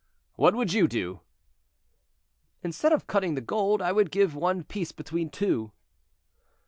"What would you do?" "Instead of cutting the gold, I would give one piece between two."